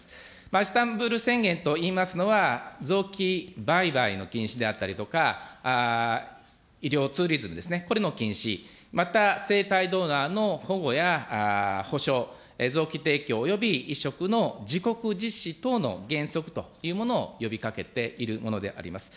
イスタンブール宣言といいますのは、臓器売買の禁止であったりとか、医療ツーリズムですね、これの禁止、また生体ドナーの保護やほしょう、臓器提供および移植の自国実施等の原則というものを呼びかけているものであります。